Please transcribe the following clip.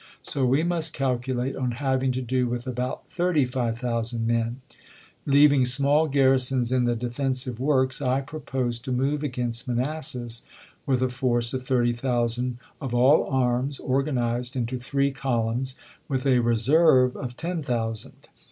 So we must calculate on having to do with about 35,000 men. .. Leaving small garrisons in the defensive works, I propose to move against Manassas with a force of thirty thousand of all arms, organized into three columns, with a reserve of ten thousand.